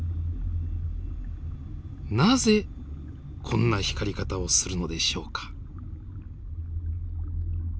なぜこんな光り方をするのでしょうか。